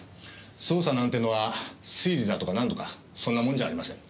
捜査なんてのは推理だとかなんとかそんなもんじゃありません。